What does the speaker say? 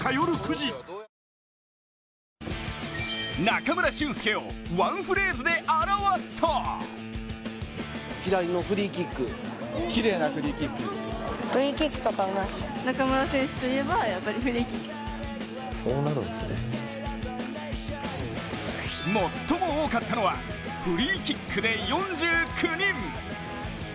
中村俊輔をワンフレーズで表すと最も多かったのはフリーキックで４９人。